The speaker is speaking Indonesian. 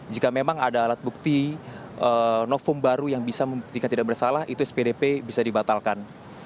jika memang ada alat bukti novum baru yang bisa membuktikan tidak bersalah itu spdp bisa dibatalkan